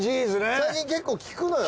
最近結構聞くのよ。